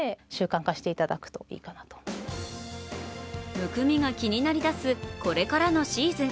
むくみが気になり出すこれからのシーズン。